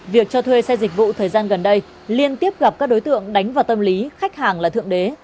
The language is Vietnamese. việc cho thuê xe dịch vụ thời gian gần đây liên tiếp gặp các đối tượng đánh vào tâm lý khách hàng là thượng đế